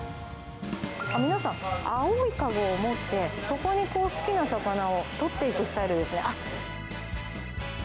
皆さん、青い籠を持って、そこにこう好きな魚を取っていくスタイルですね。